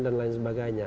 dan lain sebagainya